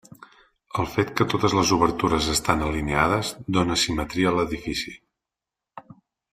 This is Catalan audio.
El fet que totes les obertures estan alineades dóna simetria a l'edifici.